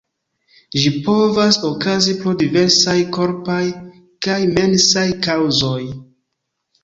Ĝi povas okazi pro diversaj korpaj kaj mensaj kaŭzoj.